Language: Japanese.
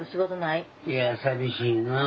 いや寂しいなあ。